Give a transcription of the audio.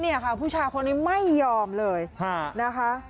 เนี่ยค่ะผู้ชายคนนี้ไม่ยอมเลยนะคะ